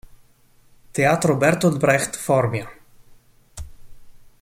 Teatro Bertolt Brecht Formia